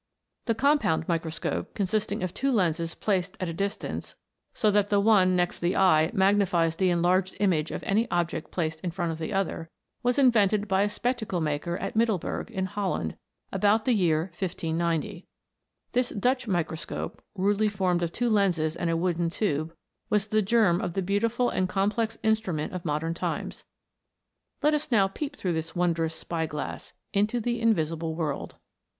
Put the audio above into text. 216 THE INVISIBLE WORLD. two lenses placed at a distance, so that the one next the eye magnifies the enlarged image of any object placed in front of the other, was invented by a spectacle maker at Middleburg, in Holland, about the year 1590. This Dutch microscope, rudely formed of two lenses and a wooden tube, was the germ of the beautiful and complex instrument of modern times. Let us now peep through this wondrous spy glass into the invisible world.